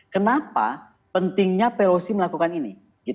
kenapa pentingnya pelosi melakukan ini